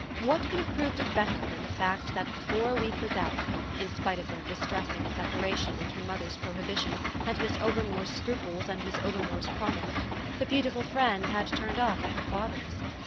What could have proved it better than the fact that before a week was out, in spite of their distressing separation and her mother's prohibition and Miss Overmore's scruples and Miss Overmore's promise, the beautiful friend had turned up at her father's?